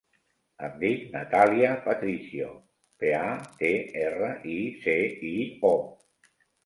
Em dic Natàlia Patricio: pe, a, te, erra, i, ce, i, o.